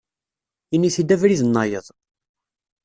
Ini-t-id abrid-nnayeḍ.